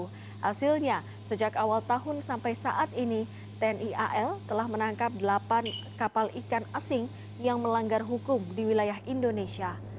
hasilnya sejak awal tahun sampai saat ini tni al telah menangkap delapan kapal ikan asing yang melanggar hukum di wilayah indonesia